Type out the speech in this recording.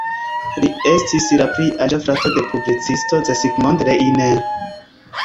Li estis la pli aĝa frato de publicisto Zsigmond Reiner.